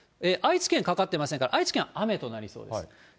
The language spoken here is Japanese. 愛知県かかってませんから、愛知県は雨となりそうです。